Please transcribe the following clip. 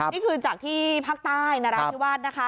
นี่คือจากที่ภาคใต้นราธิวาสนะคะ